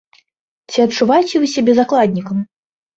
Ці адчуваеце вы сябе закладнікам?